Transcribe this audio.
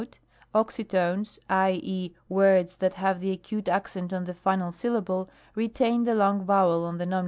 * Oxytones, i, e,, words that have the acute accent on the final syllable, retain the long vowel of the Nom.